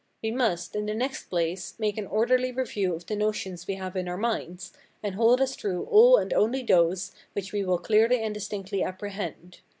We must, in the next place, make an orderly review of the notions we have in our minds, and hold as true all and only those which we will clearly and distinctly apprehend.